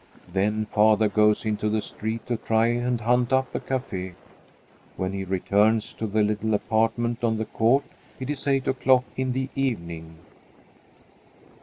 Then father goes into the street to try and hunt up a café. When he returns to the little apartment on the court, it is eight o'clock in the evening.